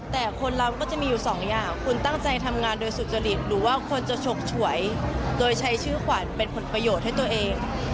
แต่คนเราก็จะมีอยู่สองอย่างคุณตั้งใจทำงานโดยสุจริตหรือว่าคนจะฉกฉวยโดยใช้ชื่อขวัญเป็นผลประโยชน์ให้ตัวเอง